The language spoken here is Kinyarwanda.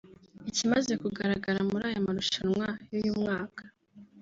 Ikimaze kugararaga muri aya marushanwa y’uyu mwaka